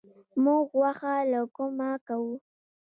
موږ غوښه له کومه کوو؟